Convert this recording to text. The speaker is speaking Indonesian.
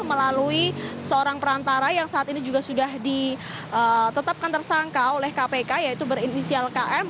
melalui seorang perantara yang saat ini juga sudah ditetapkan tersangka oleh kpk yaitu berinisial km